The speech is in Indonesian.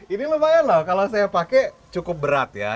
ini lumayan loh kalau saya pakai cukup berat ya